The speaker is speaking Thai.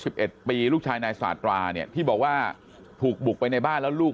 สิบเอ็ดปีลูกชายนายสาตราเนี่ยที่บอกว่าถูกบุกไปในบ้านแล้วลูก